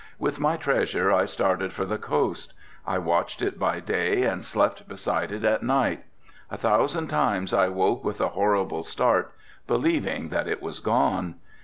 With my treasure I started for the coast. I watched it by day and slept beside it at night. A thousand times I woke with a horrible start believing that it was gone.